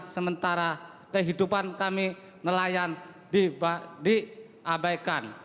sementara kehidupan kami nelayan diabaikan